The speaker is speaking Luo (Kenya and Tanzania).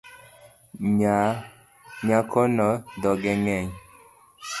Nyakono dhoge ng’eny